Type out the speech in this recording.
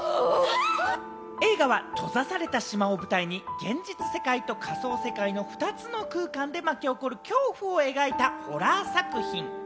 映画は閉ざされた島を舞台に現実世界と仮想世界の２つの空間で巻き起こる恐怖を描いたホラー作品。